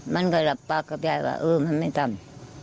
มันก็รับปากกับยายว่าเออมันไม่ทำ